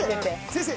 先生。